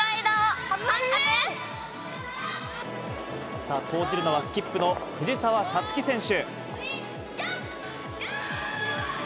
さあ、投じるのはスキップの藤澤五月選手。